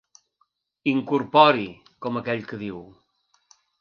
Incorpori, com aquell que diu.